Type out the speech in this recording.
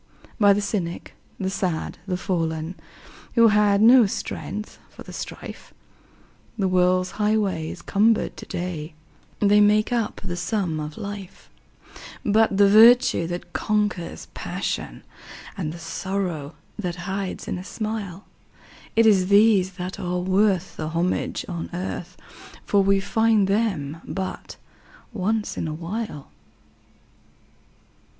By the cynic, the sad, the fallen, Who had no strength for the strife, The world's highway is cumbered to day They make up the sum of life; But the virtue that conquers passion, And the sorrow that hides in a smile It is these that are worth the homage on earth, For we find them but once in a while.